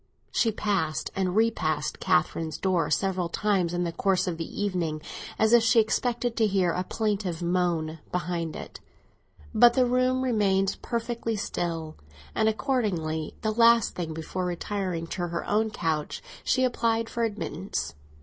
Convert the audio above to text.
She passed and repassed Catherine's door several times in the course of the evening, as if she expected to hear a plaintive moan behind it. But the room remained perfectly still; and accordingly, the last thing before retiring to her own couch, she applied for admittance.